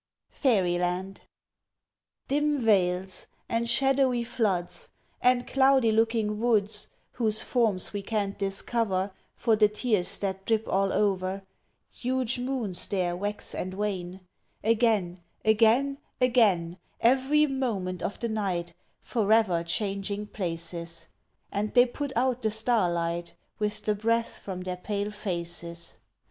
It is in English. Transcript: FAIRY LAND Dim vales and shadowy floods And cloudy looking woods, Whose forms we can't discover For the tears that drip all over Huge moons there wax and wane Again again again Every moment of the night Forever changing places And they put out the star light With the breath from their pale faces.